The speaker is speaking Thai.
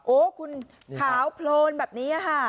โอ้คุณขาวโพลนแบบนี้ค่ะ